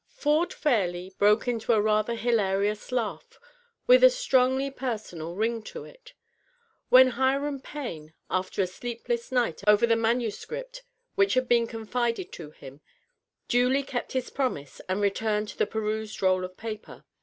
Ford Fairleigh broke into a rather hilarious laugh, with a strongly personal ring to it, when Hiram Payne, afl«r a sleepless night over the manuscript which had been confided to him, duly kept his promise and returned the perused roll of paper.